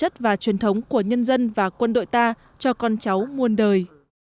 chất và truyền thống của nhân dân và quân đội ta cho con cháu muôn đời